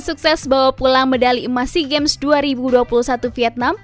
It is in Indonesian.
sukses bawa pulang medali emas sea games dua ribu dua puluh satu vietnam